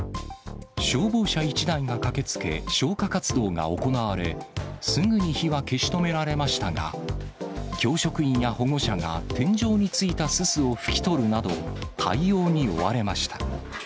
消防車１台が駆けつけ消火活動が行われ、すぐに火は消し止められましたが、教職員や保護者が天井についたすすを拭き取るなど、対応に追われました。